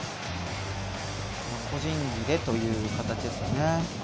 個人技でという形ですよね。